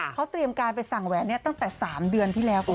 เขาเตรียมการไปสั่งแหวนนี้ตั้งแต่๓เดือนที่แล้วคุณ